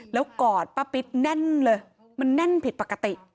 แล้วกอดป้าปิ๊ดแน่นเลยมันแน่นผิดปกติ